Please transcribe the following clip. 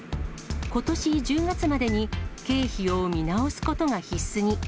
ことし１０月までに、経費を見直すことが必須に。